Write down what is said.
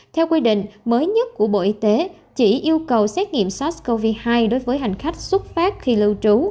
theo quy định mới nhất của bộ y tế chỉ yêu cầu xét nghiệm sars cov hai đối với hành khách xuất phát khi lưu trú